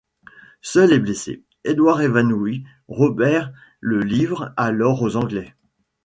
Seul et blessé, Edward évanoui, Roberts le livre alors aux Anglais.